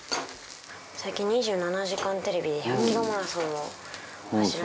最近『２７時間テレビ』で１００キロマラソンを走らせてもらって。